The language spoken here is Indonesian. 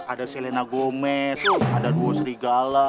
ada selena gomez ada dua serigala